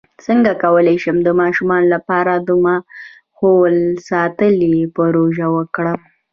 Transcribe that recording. څنګه کولی شم د ماشومانو لپاره د ماحول ساتنې پروژې وکړم